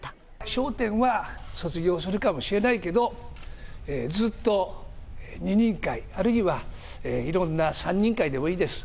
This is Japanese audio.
笑点は卒業するかもしれないけど、ずっと二人会、あるいは、いろんな三人会でもいいです。